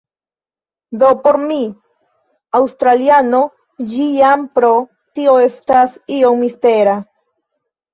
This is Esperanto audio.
Do por mi, aŭstraliano, ĝi jam pro tio estas iom mistera.